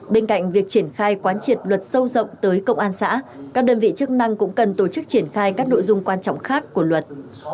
bên cạnh việc triển khai quán triệt luật sâu rộng tới công an xã các đơn vị chức năng cũng cần tổ chức triển khai các nội dung quan trọng khác của luật